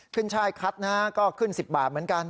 ช่ายคัดนะฮะก็ขึ้น๑๐บาทเหมือนกัน